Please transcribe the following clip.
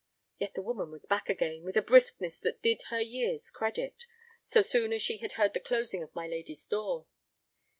Yet the woman was back again, with a briskness that did her years credit, so soon as she had heard the closing of my lady's door.